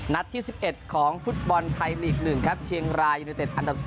ที่๑๑ของฟุตบอลไทยลีก๑ครับเชียงรายยูนิเต็ดอันดับ๔